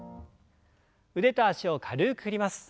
腕と脚を軽く振ります。